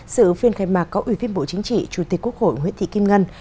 sự phiên khai mạc có ủy viên bộ chính trị chủ tịch quốc hội nguyễn thị kim ngân